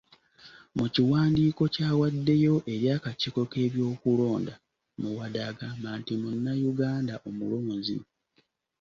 Mukiwandiiko ky'awaddeyo eri akakiiko k’ebyokulonda, Muwada agamba nti munnayuganda omulonzi.